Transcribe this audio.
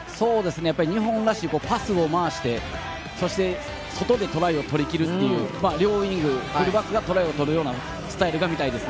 日本らしい、パスを回して、そして外でトライを取り切るという両ウイング、フルバックがトライをとるようなスタイルが見たいです。